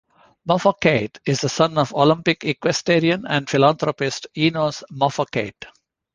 Mafokate is the son of Olympic equestrian and philanthropist Enos Mafokate.